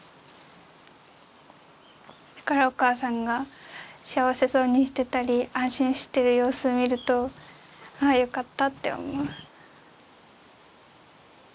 だからお母さんが幸せそうにしていたり安心している様子を見るとああよかったって思う。